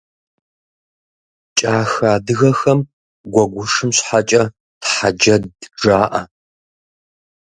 Кӏахэ адыгэхэм гуэгушым щхьэкӏэ тхьэджэд жаӏэ.